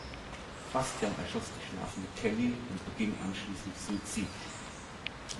Bastian erschoss die schlafende Kelly und beging anschließend Suizid.